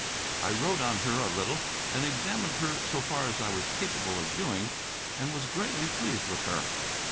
I rode on her a little and examined her so far as I was capable of doing, and was greatly pleased with her.